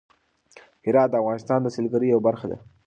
هرات د افغانستان د سیلګرۍ یوه برخه ده.